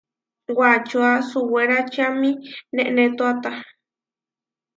Wačóa suwéračiami neʼnétoata.